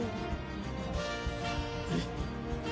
えっ？